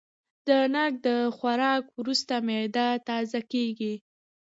د ناک د خوراک وروسته معده تازه کېږي.